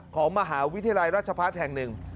ของมหาวิทยาลัยราชพัฒน์แห่งหนึ่ง